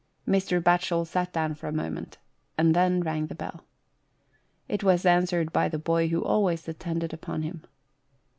Mr. Batchel sat down for a moment, and then rang the bell. It was answered by the boy who always attended upon him.